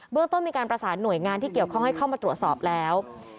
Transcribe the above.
เรื่องต้นมีการประสานหน่วยงานที่เกี่ยวข้องให้เข้ามาตรวจสอบแล้ว